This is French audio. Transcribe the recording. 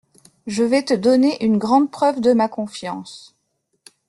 Je vais te donner une grande preuve de ma confiance…